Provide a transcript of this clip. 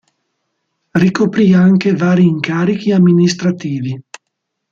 Ricoprì anche vari incarichi amministrativi.